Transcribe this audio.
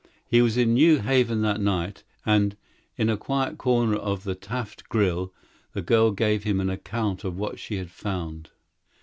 He was in New Haven that night, and, in a quiet corner of the Taft grille the girl gave him an account of what she had found.